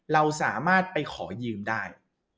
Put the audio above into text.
เราสามารถไปขอยืมได้